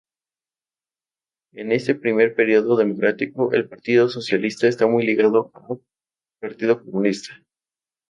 En este primer periodo democrático, el partido socialista está muy ligado al Partido Comunista.